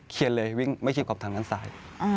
เขียนเลยไม่เขียนกับถังกันซ้าย